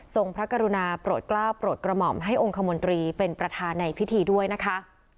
พระกรุณาโปรดกล้าวโปรดกระหม่อมให้องค์คมนตรีเป็นประธานในพิธีด้วยนะคะ